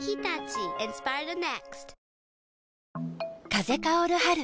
風薫る春。